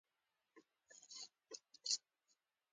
ناقص شخصیت لوی کار نه شي کولی.